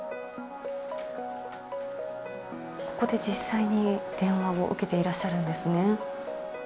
ここで実際に電話を受けていらっしゃるんですね。